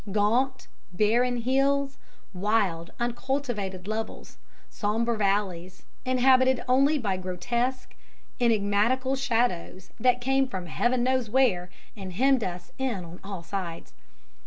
Gaunt, barren hills, wild, uncultivated levels, sombre valleys, inhabited only by grotesque enigmatical shadows that came from Heaven knows where, and hemmed us in on all sides.